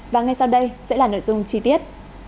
và ngay sau đây sẽ là nội dung chi tiết